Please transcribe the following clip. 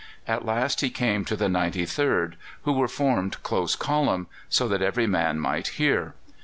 At last he came to the 93rd, who were formed close column, so that every man might hear.